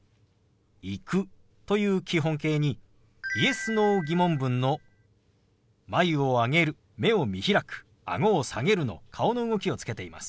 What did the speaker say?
「行く」という基本形にＹｅｓ−Ｎｏ疑問文の眉を上げる目を見開くあごを下げるの顔の動きをつけています。